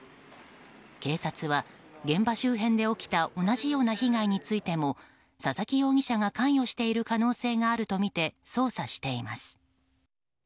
警察は現場周辺で起きた同じような被害についても佐々木容疑者が関与している可能性があるとみて捜査しています。